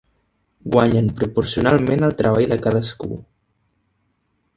Guanyen proporcionalment al treball de cadascú.